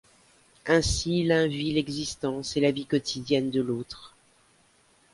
Ainsi l'un vit l'existence et la vie quotidienne de l'autre…